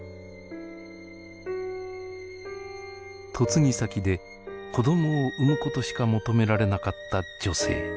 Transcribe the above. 嫁ぎ先で子どもを産むことしか求められなかった女性。